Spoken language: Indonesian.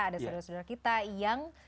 ada saudara saudara kita yang